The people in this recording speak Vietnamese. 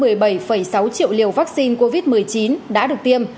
hơn một mươi bảy sáu triệu liều vaccine covid một mươi chín đã được tiêm